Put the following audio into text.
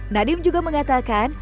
nadiem juga mengatakan